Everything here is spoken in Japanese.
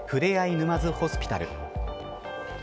沼津ホスピタル。